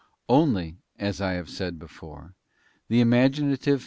Only, as I have said before, the imaginative painful.